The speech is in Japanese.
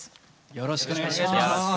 よろしくお願いします。